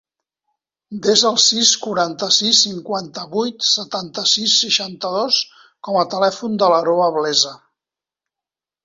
Desa el sis, quaranta-sis, cinquanta-vuit, setanta-sis, seixanta-dos com a telèfon de l'Aroa Blesa.